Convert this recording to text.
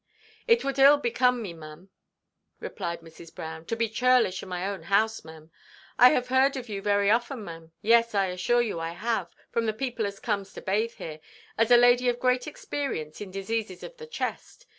"It would ill become me, mem," replied Mrs. Brown, "to be churlish in my own house, mem. I have heard of you very often, mem. Yes, I assure you I have, from the people as comes to bathe here, as a lady of great experience in diseases of the chest.